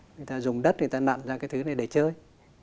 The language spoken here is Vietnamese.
người ta dùng đất người ta nặn ra cái thứ này để chơi